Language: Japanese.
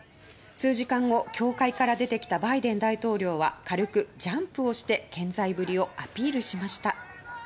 数時間後、教会から出てきたバイデン大統領は軽くジャンプをして健在ぶりをアピールしました。